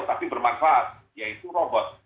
tapi bermanfaat yaitu robot